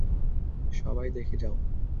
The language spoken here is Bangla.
সবাই দেখে যাও।